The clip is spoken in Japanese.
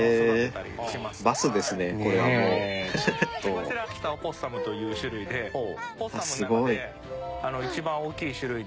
こちらキタオポッサムという種類でオポッサムの中で一番大きい種類になります。